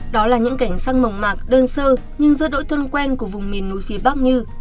đó là những cảnh sang mỏng mạc đơn sơ nhưng giữa đội thôn quen của vùng miền núi phía bắc như